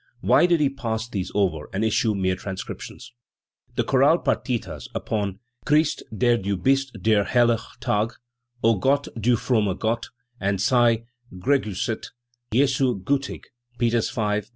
Why did he pass these over and issue mere transcriptions? The chorale partitas upon "Christ, der du bist der helle Tag", "0 Gott, du frommer Gott", and u Sei gegriisset, Jesu giitig" (Peters V, p.